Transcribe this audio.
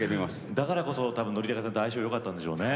だからこそ多分憲武さんと相性良かったんでしょうね。